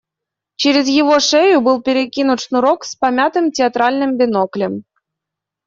Через его шею был перекинут шнурок с помятым театральным биноклем.